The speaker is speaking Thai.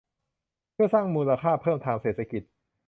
เพื่อสร้างมูลค่าเพิ่มทางเศรษฐกิจ